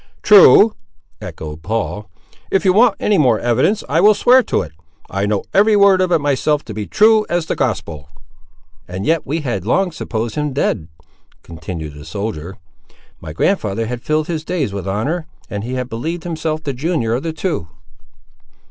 "True!" echoed Paul; "if you want any more evidence I will swear to it! I know every word of it myself to be true as the gospel!" "And yet we had long supposed him dead!" continued the soldier. "My grandfather had filled his days with honour, and he had believed himself the junior of the two."